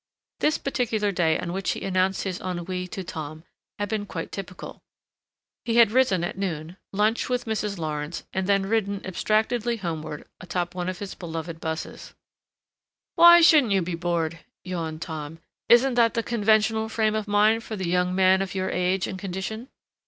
This particular day on which he announced his ennui to Tom had been quite typical. He had risen at noon, lunched with Mrs. Lawrence, and then ridden abstractedly homeward atop one of his beloved buses. "Why shouldn't you be bored," yawned Tom. "Isn't that the conventional frame of mind for the young man of your age and condition?"